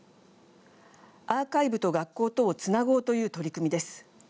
アーカイブと学校とをつなごうという取り組みです。